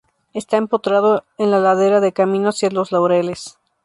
Está empotrado en la ladera del camino hacia Los Laureles.